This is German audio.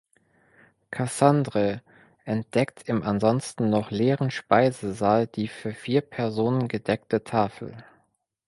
Cassandre entdeckt im ansonsten noch leeren Speisesaal die für vier Personen gedeckte Tafel.